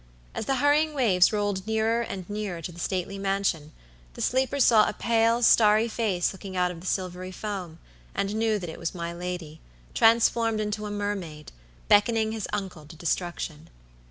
As the hurrying waves rolled nearer and nearer to the stately mansion, the sleeper saw a pale, starry face looking out of the silvery foam, and knew that it was my lady, transformed into a mermaid, beckoning his uncle to destruction.